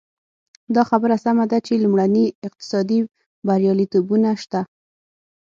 دا خبره سمه ده چې لومړني اقتصادي بریالیتوبونه شته.